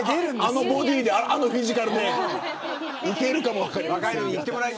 あのボディー、フィジカルでいけるかも分かりません。